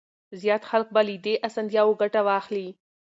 زيات خلک به له دې اسانتياوو ګټه واخلي.